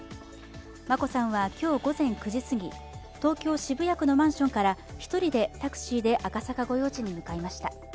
眞子さんは今日午前９時すぎ東京・渋谷区のマンションから１人でタクシーで赤坂御用地に向かいました。